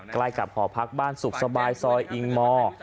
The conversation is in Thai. ใกล้กับหอพักบ้านสุขสบายซอยอิงมอร์